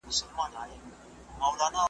هم بادار هم خریدار ته نازنینه .